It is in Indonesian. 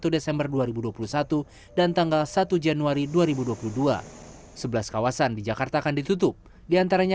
satu desember dua ribu dua puluh satu dan tanggal satu januari dua ribu dua puluh dua sebelas kawasan di jakarta akan ditutup diantaranya